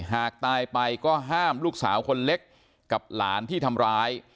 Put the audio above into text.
หากตายไปก็ห้ามลูกสาวคนเล็กกับหลานที่ทำร้าย